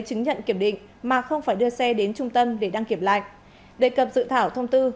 chứng nhận kiểm định mà không phải đưa xe đến trung tâm để đăng kiểm lại đề cập dự thảo thông tư